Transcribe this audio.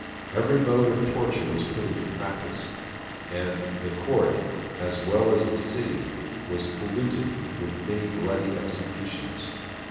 Every mode of torture was put in practice, and the court, as well as city, was polluted with many bloody executions.